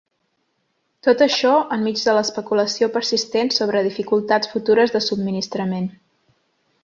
Tot això, enmig de l’especulació persistent sobre dificultats futures de subministrament.